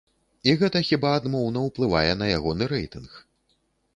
І гэта хіба адмоўна ўплывае на ягоны рэйтынг.